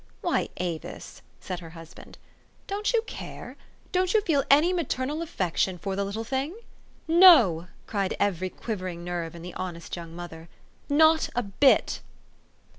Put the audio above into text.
"Why, Avis," said her husband, "don't you care don't you feel any maternal affection for the little thing?" "No," cried every quivering nerve in the honest young mother ;" not a bit